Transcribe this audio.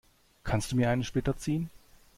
Kannst du mir einen Splitter ziehen?